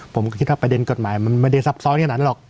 ผมก็คิดว่าประเด็นกฎหมายมันไม่ได้ซับซ้อนขนาดนั้นหรอก